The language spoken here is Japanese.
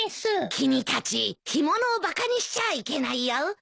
君たち干物をバカにしちゃいけないよ。